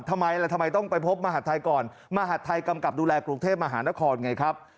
ทำไมล่ะทำไมต้องไปพบมหาดไทยก่อนมหาดไทยกำกับดูแลกรุงเทพมหานครไงครับ